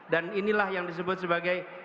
dan inilah yang disebut sebagai